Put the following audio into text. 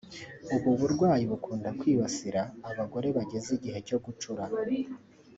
ubu burwayi bukunda kwibasira abagore bageze igihe cyo gucura